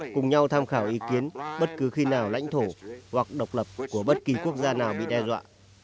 cùng nhau tham khảo ý kiến bất cứ khi nào lãnh thổ hoặc độc lập của bất kỳ quốc gia nào bị đe dọa